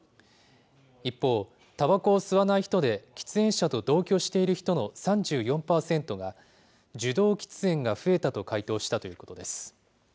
一方、たばこを吸わない人で喫煙者と同居している人の３４％が、受動喫煙が増えたと回答したということです。